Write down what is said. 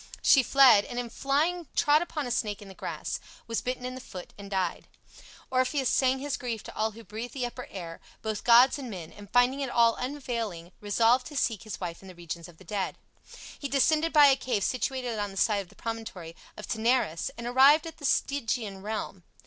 She fled, and in flying trod upon a snake in the grass, was bitten in the foot, and died. Orpheus sang his grief to all who breathed the upper air, both gods and men, and finding it all unavailing resolved to seek his wife in the regions of the dead. He descended by a cave situated on the side of the promontory of Taenarus and arrived at the Stygian realm.